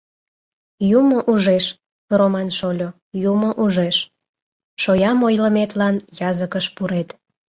Юмо ужеш, Роман шольо, юмо ужеш... шоям ойлыметлан языкыш пурет.